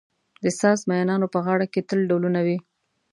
د ساز مېنانو په غاړه کې تل ډهلونه وي.